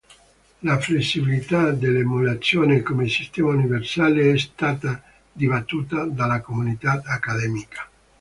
La flessibilità dell'emulazione come sistema universale è stata dibattuta dalla comunità accademica.